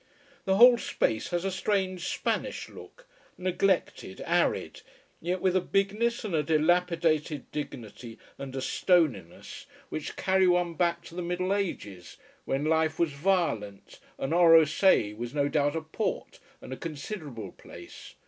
The whole space has a strange Spanish look, neglected, arid, yet with a bigness and a dilapidated dignity and a stoniness which carry one back to the Middle Ages, when life was violent and Orosei was no doubt a port and a considerable place.